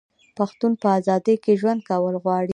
پښتون په ازادۍ کې ژوند کول غواړي.